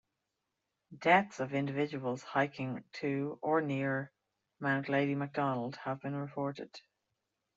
Deaths of individuals hiking to or near Mount Lady Macdonald have been reported.